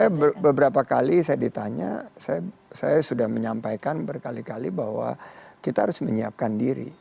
saya beberapa kali saya ditanya saya sudah menyampaikan berkali kali bahwa kita harus menyiapkan diri